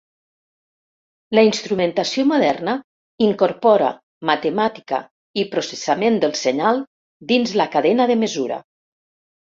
La instrumentació moderna incorpora matemàtica i processament del senyal dins la cadena de mesura.